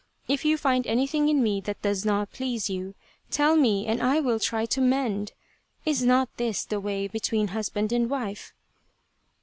If you find anything in me that does not please you, tell me, and I will try to mend. Is not this the way between husband and wife